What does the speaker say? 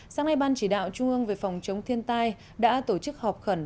sáng nay ban chỉ đạo trung ương về phòng chống thiên tai đã tổ chức họp khẩn